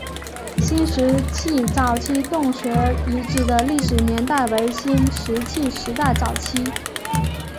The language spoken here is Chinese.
新石器早期洞穴遗址的历史年代为新石器时代早期。